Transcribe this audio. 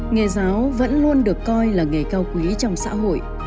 nghề giáo vẫn luôn được coi là nghề cao quý trong xã hội